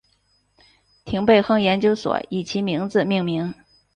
廷贝亨研究所以其名字命名。